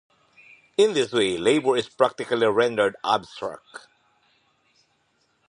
In this way, labour is "practically" rendered abstract.